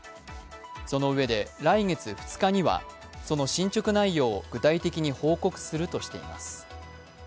そのうえで来月２日にはその進捗内容を具体的に報告するとしています。